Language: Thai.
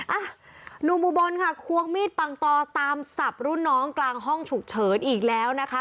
อ่ะหนุ่มอุบลค่ะควงมีดปังตอตามสับรุ่นน้องกลางห้องฉุกเฉินอีกแล้วนะคะ